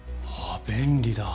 あぁ便利だ。